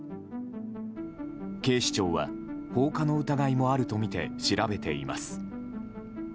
警視庁は放火の疑いもあるとみて調べています。